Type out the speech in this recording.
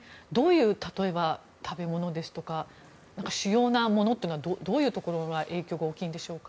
例えば、食べ物ですとか主要なものというのはどういうところの影響が大きいんでしょうか？